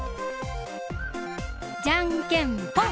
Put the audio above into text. じゃんけんぽん！